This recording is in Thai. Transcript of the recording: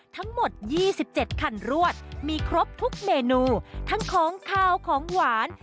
ทั้งหมด๒๗คันรวดมีครบทุกเมนูทั้งของขาวของหวาน